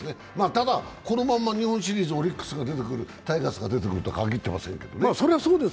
ただ、このまま日本シリーズ、オリックス、タイガースが出てくるとは限らないですけどね。